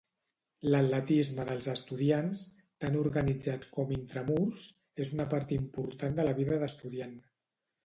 L'atletisme dels estudiants, tant organitzat com intramurs, és una part important de la vida d'estudiant.